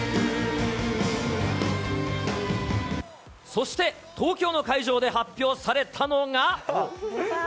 そして、東京の会場で発表されたのが。